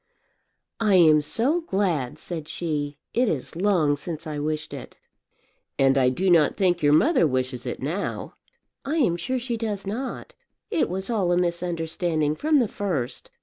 "I am so glad," said she. "It is long since I wished it." "And I do not think your mother wishes it now." "I am sure she does not. It was all a misunderstanding from the first.